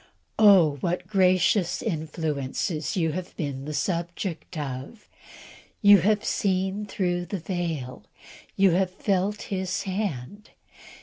Oh! what gracious influences you have been the subject of. You have seen through the veil! You have felt His hand!